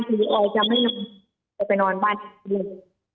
คือออยจะไม่ได้ไปนอนบ้านอีกเลย